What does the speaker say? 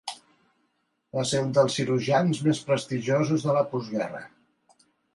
Va ser un dels cirurgians més prestigiosos a la postguerra.